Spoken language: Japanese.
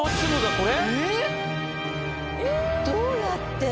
これ。